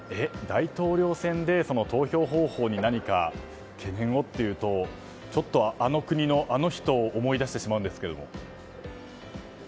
大統領選で、投票方法に何か、懸念をっていうとちょっとあの国のあの人を思い出してしまうんですけれども。